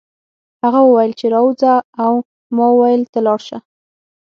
هغه وویل چې راوځه او ما وویل ته لاړ شه